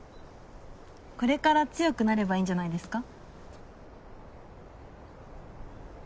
これから強くなればいいんじゃないですか。